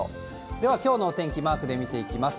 では、きょうのお天気、マークで見ていきます。